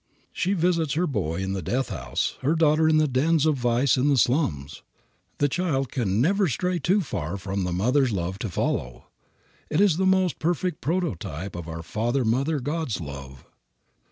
She visits her boy in the "death house," her daughter in the dens of vice in the slums. The child can never stray too far for the mother's love to follow. It is the most perfect prototype of our Father Mother God's love.